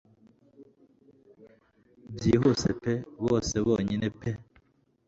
Byihuse pe bose bonyine pe